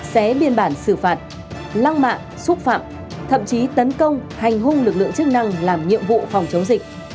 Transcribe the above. xé biên bản xử phạt lăng mạ xúc phạm thậm chí tấn công hành hung lực lượng chức năng làm nhiệm vụ phòng chống dịch